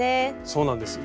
そうなんです。